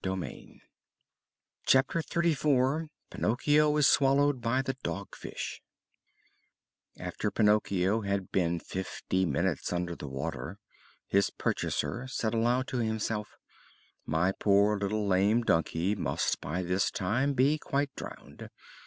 CHAPTER XXXIV PINOCCHIO IS SWALLOWED BY THE DOG FISH After Pinocchio had been fifty minutes under the water, his purchaser said aloud to himself: "My poor little lame donkey must by this time be quite drowned.